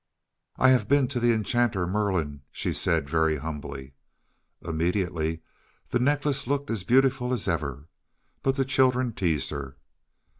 "I have been to the enchanter Merlin," she said very humbly. Immediately the necklace looked as beautiful as ever. But the children teased her.